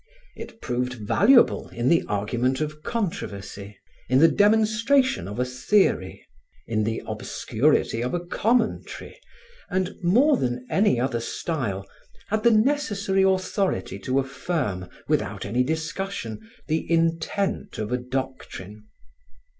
It proved valuable in the argument of controversy, in the demonstration of a theory, in the obscurity of a commentary and, more than any other style, had the necessary authority to affirm, without any discussion, the intent of a doctrine.